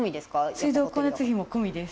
水道光熱費も込みです。